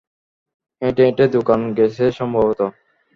হেঁটে হেঁটে দোকান গেছে সম্ভবত।